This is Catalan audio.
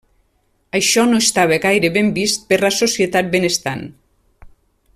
Això no estava gaire ben vist per la societat ben estant.